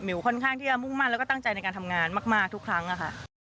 ค่อนข้างที่จะมุ่งมั่นแล้วก็ตั้งใจในการทำงานมากทุกครั้งค่ะ